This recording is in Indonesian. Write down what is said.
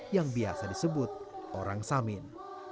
yang biasa disebut orang samin